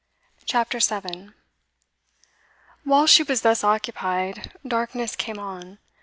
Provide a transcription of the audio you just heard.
CHAPTER 7 Whilst she was thus occupied, darkness came on.